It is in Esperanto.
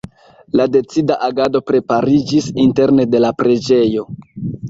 La decida agado prepariĝis interne de la preĝejo.